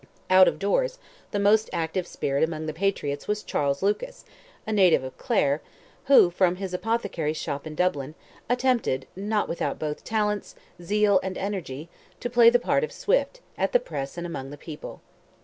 Out of doors, the most active spirit among the Patriots was Charles Lucas, a native of Clare, who, from his apothecary's shop in Dublin, attempted, not without both talents, zeal and energy, to play the part of Swift, at the press and among the people.